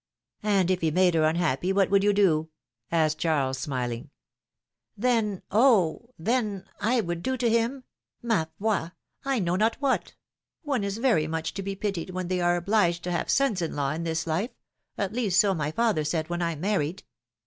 "And if he made her unhappy, what would you do?" asked Charles, smiling. 104 philomene's maeriages. Then, oh ! then, I would do to him — mafoi ! I know not what ! One is very much to be pitied when they are obliged to have sons in law in this life — at least, so my father said when I married